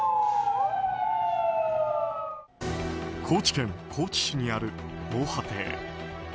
高知県高知市にある防波堤。